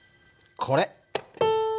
これ。